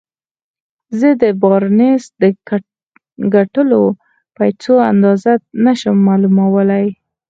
زه د بارنس د ګټلو پيسو اندازه نه شم معلومولای.